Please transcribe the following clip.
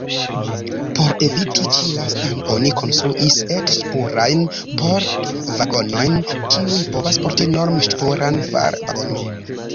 Por eviti ĉi-lastan oni konstruis et-ŝpurajn port-vagonojn, kiuj povas porti norm-ŝpuran var-vagonon.